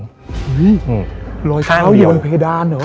รอยเท้าอยู่บนเพดานเหรอ